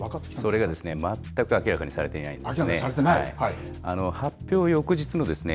それがですね、まったく明らかにされていないんですね。